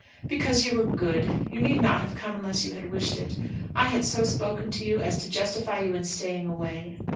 "Because you were good. You need not have come unless you had wished it. I had so spoken to you as to justify you in staying away.